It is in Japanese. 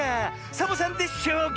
サボさんで「しょうが」！